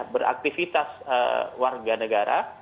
beraktifitas warga negara